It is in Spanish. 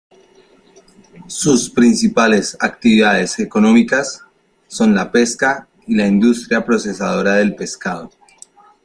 Sus principales actividades económicas son la pesca y la industria procesadora del pescado.